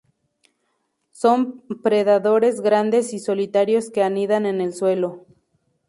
Son predadores grandes y solitarios que anidan en el suelo.